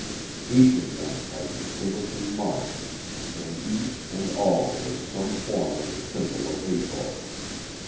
Each of them had a distinguishing mark; and each and all was some form of the symbol of Hathor.